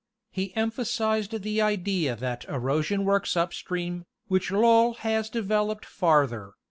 He emphasized the idea that erosion works upstream, which Lowl has later developed farther.